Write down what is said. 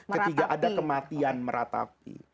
ketika ada kematian meratapi